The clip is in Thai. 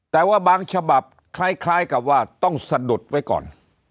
แต่ว่าบางฉบับคล้ายกับว่าต้องสะดุดไว้ก่อน